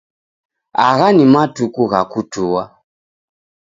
Agha ni matuku gha kutua